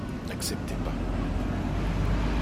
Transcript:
N'acceptez pas.